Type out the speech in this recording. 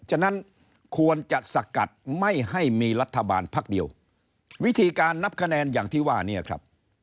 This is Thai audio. ฉะนั้นควรจะสกัดไม่ให้มีรัฐบาลพักเดียววิธีการนับคะแนนอย่างที่ว่าเนี่ยครับ